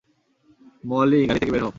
মলি, গাড়ি থেকে বের হও।